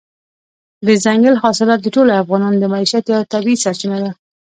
دځنګل حاصلات د ټولو افغانانو د معیشت یوه طبیعي سرچینه ده.